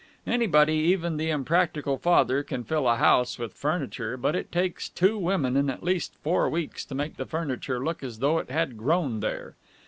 Anybody, even the impractical Father, can fill a house with furniture, but it takes two women and at least four weeks to make the furniture look as though it had grown there.